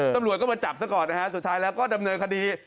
ตำรวจก็มาจับซะก่อนนะฮะสุดท้ายแล้วก็ดำเนินคดี